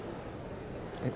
えっ？